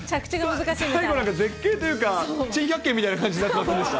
最後、絶景というか珍百景みたいになってませんでした？